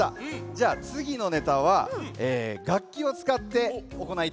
じゃあつぎのネタはがっきをつかっておこないたいとおもいます。